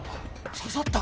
刺さった。